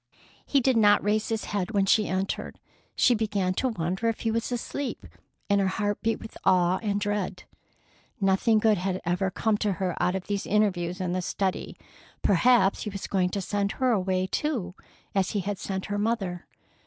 He did not raise his head when she entered. She began to wonder if he was asleep, and her heart beat with awe and dread. Nothing good had ever come to her out of these interviews in the study. Perhaps he was going to send her away, too, as he had sent her mother.